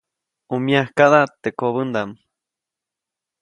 ʼU myakaʼda teʼ kobäʼndaʼm.